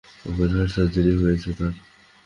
Open heart surgery হয়েছে তার।